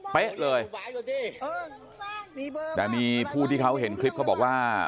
เป๊ะเลยแต่มีผู้ที่เขาเห็นคลิปเขาบอกว่า